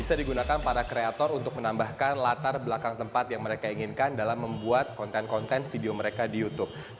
bisa digunakan para kreator untuk menambahkan latar belakang tempat yang mereka inginkan dalam membuat konten konten video mereka di youtube